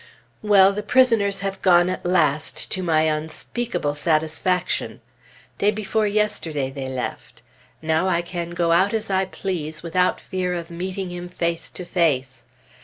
Well! the prisoners have gone at last, to my unspeakable satisfaction. Day before yesterday they left. Now I can go out as I please, without fear of meeting him face to face.